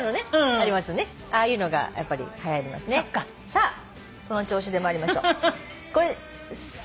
さあその調子で参りましょう。